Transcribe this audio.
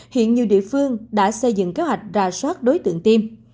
hiện nhiều địa phương đã xây dựng kế hoạch rà soát đối tượng tiêm